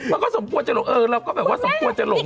มันก็สมควรจะหลงเออเราก็แบบว่าสมควรจะหลง